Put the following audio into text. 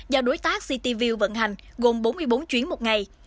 do đối tác cityview vận hành gồm bốn mươi bốn chuyến một ngày